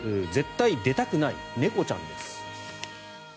絶対出たくない猫ちゃんです。